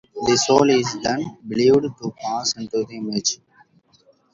The soul is then believed to pass into the image.